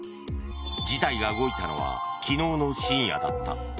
事態が動いたのは昨日の深夜だった。